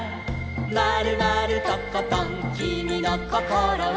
「まるまるとことんきみのこころは」